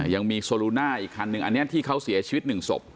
ยังมีโซลูน่าอีกคันหนึ่งอันนี้ที่เขาเสียชีวิต๑ศพ